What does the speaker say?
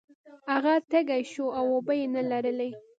هغه تږی شو او اوبه یې نلرلې.